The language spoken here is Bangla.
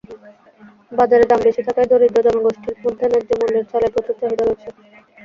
বাজারে দাম বেশি থাকায় দরিদ্র জনগোষ্ঠীর মধ্যে ন্যায্যমূল্যের চালের প্রচুর চাহিদা রয়েছে।